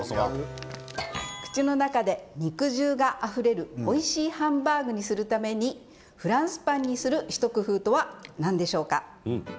口の中で肉汁があふれるおいしいハンバーグにするためにフランスパンにする一工夫とは何でしょうか。